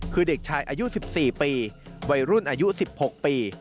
คือเด็กชายอายุ๑๔ปีวัยรุ่นอายุ๑๖ปี